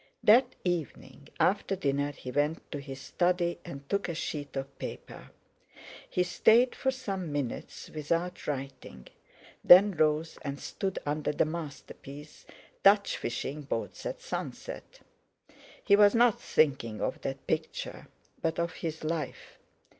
That evening after dinner he went to his study and took a sheet of paper. He stayed for some minutes without writing, then rose and stood under the masterpiece "Dutch Fishing Boats at Sunset." He was not thinking of that picture, but of his life.